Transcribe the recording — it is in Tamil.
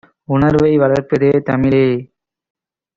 உணர்வை வளர்ப்பது தமிழே!